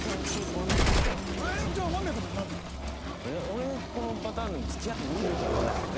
俺はこのパターンでも「付き合ってみる？」とは言わないですね。